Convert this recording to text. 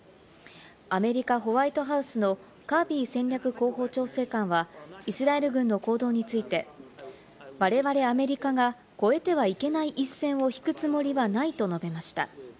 アメリカ・ホワイトハウスのカービー戦略広報調整官はイスラエル軍の行動について我々アメリカが越えてはいけない一線を引くつもりはないと述べました。